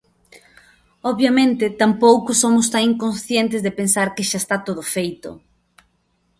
Obviamente, tampouco somos tan inconscientes de pensar que xa está todo feito.